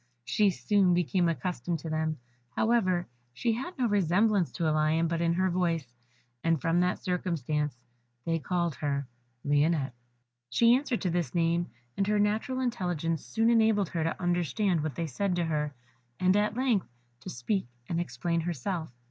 She soon became accustomed to them, however; she had no resemblance to a lion but in her voice, and from that circumstance they called her Lionette. She answered to this name, and her natural intelligence soon enabled her to understand what they said to her, and at length to speak and explain herself.